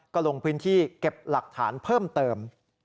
ก็ลงพื้นที่เก็บหลักฐานเพิ่มเติม